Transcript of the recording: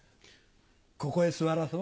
ここへ座らそう。